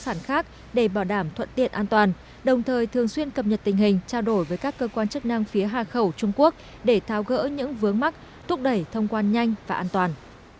sản khác để bảo đảm thuận tiện an toàn đồng thời thường xuyên cập nhật tình hình trao đổi với các cơ quan chức năng phía hà khẩu trung quốc để tháo gỡ những vướng mắc thúc đẩy thông quan nhanh và an toàn